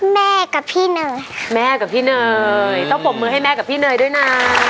แม่กับพี่เนยแม่กับพี่เนยต้องปรบมือให้แม่กับพี่เนยด้วยนะ